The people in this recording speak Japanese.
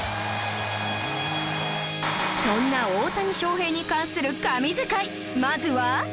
そんな大谷翔平に関する神図解まずは